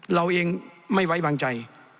เราเองไม่ไว้วางใจ